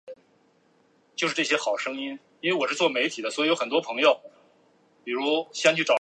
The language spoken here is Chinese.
秘书处设在法国巴黎。